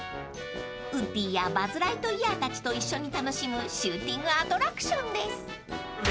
［ウッディやバズ・ライトイヤーたちと一緒に楽しむシューティングアトラクションです］